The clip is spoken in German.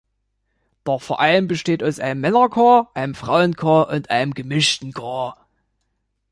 Der Verein besteht aus einem Männerchor, einem Frauenchor und einem gemischten Chor.